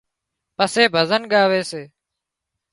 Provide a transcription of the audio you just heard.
پسي ڀزن ڳاوي سي